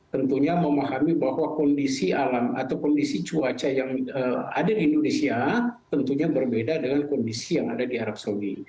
tentunya memahami bahwa kondisi alam atau kondisi cuaca yang ada di indonesia tentunya berbeda dengan kondisi yang ada di arab saudi